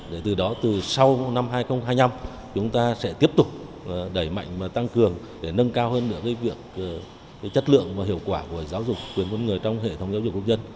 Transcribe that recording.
để từ đó từ sau năm hai nghìn hai mươi năm chúng ta sẽ tiếp tục đẩy mạnh và tăng cường để nâng cao hơn nữa việc chất lượng và hiệu quả của giáo dục quyền con người trong hệ thống giáo dục quốc dân